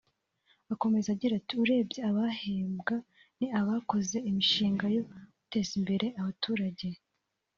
Akomeza agira ati “Urebye abahembwa ni abakoze imishinga yo guteza imbere abaturage